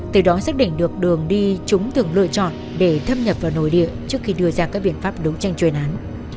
từ đó xác định được đường đi chúng thường lựa chọn để thâm nhập vào nội địa trước khi đưa ra các biện pháp đấu tranh chuyên án